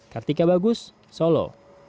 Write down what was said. ketika bagus solo